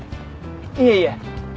いえいえ！